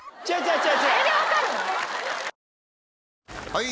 ・はい！